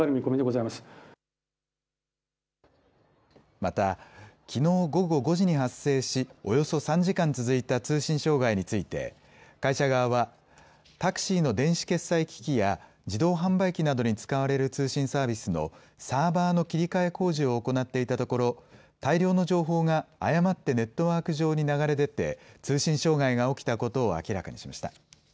また、きのう午後５時に発生し、およそ３時間続いた通信障害について会社側はタクシーの電子決済機器や自動販売機などに使われる通信サービスのサーバーの切り替え工事を行っていたところ、大量の情報が誤ってネットワーク上に流れ出て通信障害が起きたことを明らかにしました。